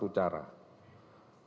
hanya dengan satu cara